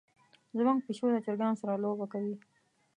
زمونږ پیشو د چرګانو سره لوبه کوي.